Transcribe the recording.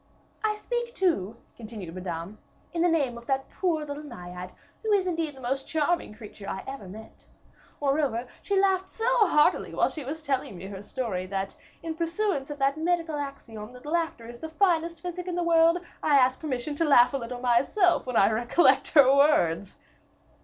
"I speak, too," continued Madame, "in the name of that poor little Naiad, who is indeed the most charming creature I ever met. Moreover, she laughed so heartily while she was telling me her story, that, in pursuance of that medical axiom that laughter is the finest physic in the world, I ask permission to laugh a little myself when I recollect her words."